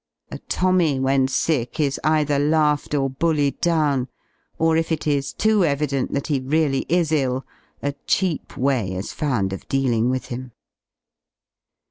A Tommy when sick is ) either laughed or bullied down, or if it is too evident that he really is ill a cheap way is found of dealing with him.